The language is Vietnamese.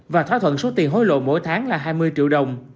và thỏa thuận số tiền hối lộ mỗi tháng là hai mươi triệu đồng